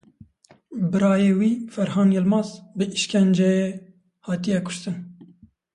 Birayê wî Ferhan Yilmaz bi îşkenceyê hatiye kuştin.